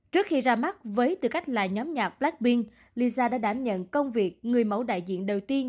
trước khi ra mắt với tư cách là nhóm nhạc blackpinkisa đã đảm nhận công việc người mẫu đại diện đầu tiên